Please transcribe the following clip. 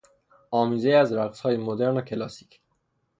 آمیزهای از رقصهای مدرن و کلاسیک